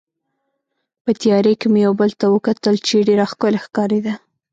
په تیارې کې مو یو بل ته وکتل چې ډېره ښکلې ښکارېده.